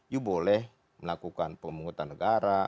you boleh melakukan pemungutan negara